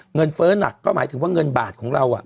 เฟ้อหนักก็หมายถึงว่าเงินบาทของเรา